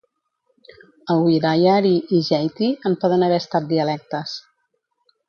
El Wiraiari i Jeithi en poden haver estat dialectes.